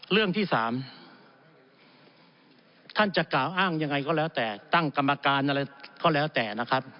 เรื่องที่สามท่านจะกล่าวอ้างยังไงก็แล้วแต่ตั้งกรรมการอะไรก็แล้วแต่นะครับ